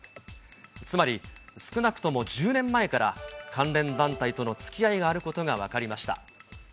つまり、少なくとも１０年前から、関連団体とのつきあいがあることが分かりました。